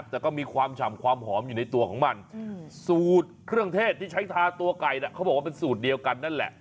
แต่ก็มีความฉ่ำความหอมอยู่ในตัวของมันสูตรเครื่องเทศที่ใช้ทาตัวไก่เขาบอกว่าเป็นสูตรเดียวกันนั่นแหละ